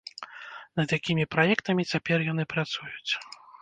Над якімі праектамі цяпер яны працуюць?